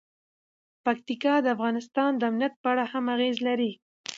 پکتیکا د افغانستان د امنیت په اړه هم اغېز لري.